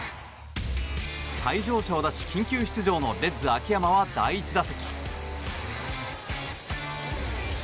退場者を出し緊急出場のレッズ秋山は第１打席。